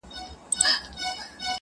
سایه یې نسته او دی روان دی.